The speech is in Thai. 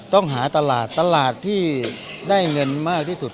ต้องหาตลาดตลาดที่ได้เงินมากที่สุด